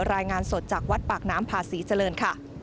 รายงานสดจากวัดปากน้ำพาศรีเจริญค่ะ